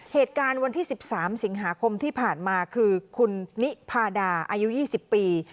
เหตุการณ์วันที่๑๓สิงหาคมที่ผ่านมาคือคุณนิพาดาอายุ๒๐ปี